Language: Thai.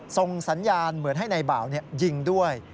ส่งสัญญาณเหมือนให้นายบ่าวยิงด้วย